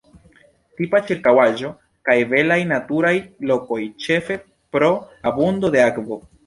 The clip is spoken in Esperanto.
Tipa ĉirkaŭaĵo kaj belaj naturaj lokoj ĉefe pro abundo de akvo.